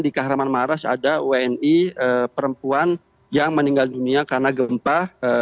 di kahraman maras ada wni perempuan yang meninggal dunia karena gempa